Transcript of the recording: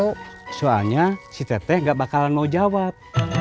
oh soalnya si teteh gak bakalan mau jawab